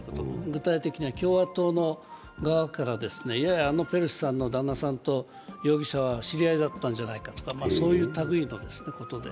具体的には共和党側から、あのペロシさんの旦那さんと容疑者は知り合いだったんじゃないかというたぐいのことで。